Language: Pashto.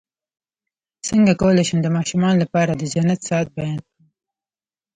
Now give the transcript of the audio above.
څنګه کولی شم د ماشومانو لپاره د جنت ساعت بیان کړم